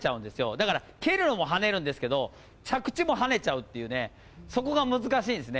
だから蹴るのも跳ねるんですけど、着地もはねちゃうっていうね、そこが難しいんですね。